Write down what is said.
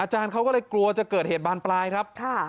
อาจารย์เขาก็เลยกลัวจะเกิดเหตุบ้านปลายครับค่ะ